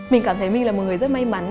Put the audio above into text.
mình cảm thấy mình là một người rất may mắn